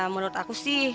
menurut aku sih